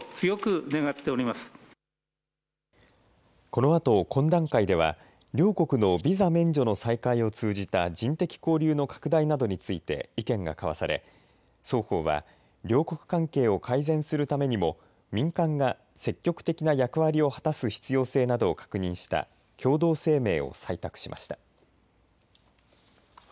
このあと懇談会では両国のビザ免除の再開を通じた人的交流の拡大などについて意見が交わされ、双方は両国関係を改善するためにも民間が積極的な役割を果たす必要性などを確認した共同声明を採択しました。